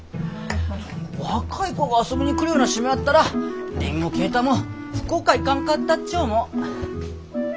若い子が遊びに来るような島やったら凛も慶太も福岡行かんかったっち思う。